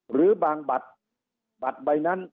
หรือบางบัตรบัตรใบนั้น